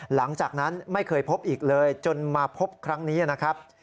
หลังจากนั้นไม่เคยพบอีกเลยจนมาพบครั้งนี้นะครับ